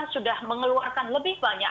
sudah mengeluarkan lebih banyak